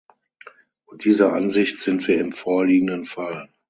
Und dieser Ansicht sind wir im vorliegenden Fall.